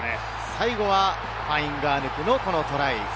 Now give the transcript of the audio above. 最後はファインガアヌクのトライ。